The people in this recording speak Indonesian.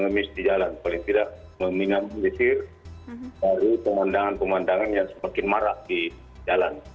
memis di jalan paling tidak meminam disir dari pemandangan pemandangan yang semakin marah di jalan